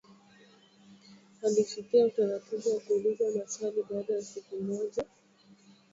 Alifikia utaratibu wa kuulizwa maswali baada ya siku moja, wanachama wa kamati ya sheria kutumia saa kadhaa kutoa taarifa zao ufunguzi